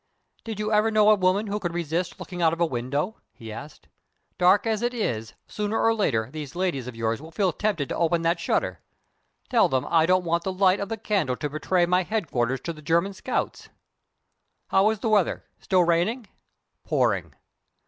"Did you ever know a woman who could resist looking out of window?" he asked. "Dark as it is, sooner or later these ladies of yours will feel tempted to open that shutter. Tell them I don't want the light of the candle to betray my headquarters to the German scouts. How is the weather? Still raining?" "Pouring."